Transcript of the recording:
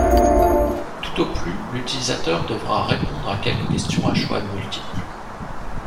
Tout au plus l'utilisateur devra répondre à quelques questions à choix multiples.